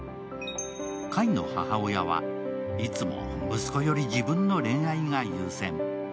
櫂の母親はいつも息子より自分の恋愛が優先。